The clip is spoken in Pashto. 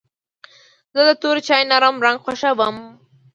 زه د تور چای نرم رنګ خوښوم.